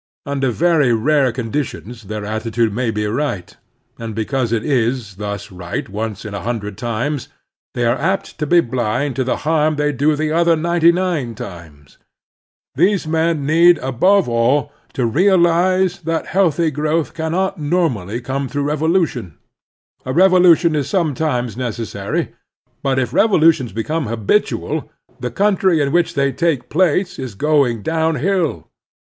Under very rare conditions their attitude may be right, and because it is thus right once in a htmdred times they are apt to be blind to the harm they do the other ninety nine times. These men need, above all, to realize that healthy growth cannot The Best and the Good 133 normally come through revolution. A revolution is sometimes necessary, but if revolutions become habitual the country in which they take place is going down hill.